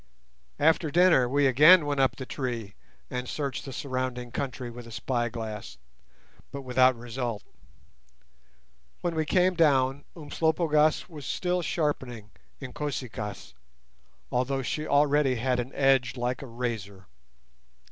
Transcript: After dinner we again went up the tree and searched the surrounding country with a spyglass, but without result. When we came down Umslopogaas was still sharpening Inkosi kaas, although she already had an edge like a razor.